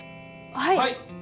はい！